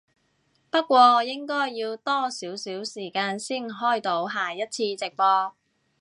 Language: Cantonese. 不過我應該要多少少時間先開到下一次直播